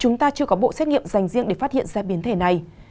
chúng ta chưa có bộ xét nghiệm dành riêng để phát hiện ra biến thể này